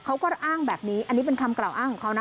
เขาก็อ้างแบบนี้อันนี้เป็นคำกล่าวอ้างของเขานะ